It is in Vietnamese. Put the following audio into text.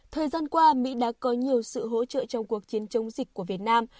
thời gian qua mỹ đã có nhiều sự hỗ trợ trong cuộc chiến chống dịch của việt nam